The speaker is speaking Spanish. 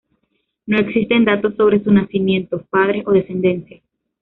No existen datos sobre su nacimiento, padres o descendencia.